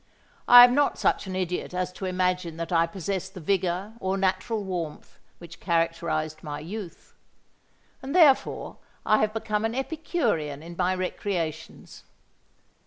I am not such an idiot as to imagine that I possess the vigour or natural warmth which characterised my youth; and therefore I have become an Epicurean in my recreations.